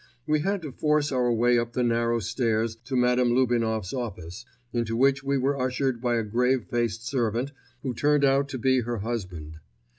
We had to force our way up the narrow stairs to Madame Lubinoff's office, into which we were ushered by a grave faced servant who turned out to be her husband.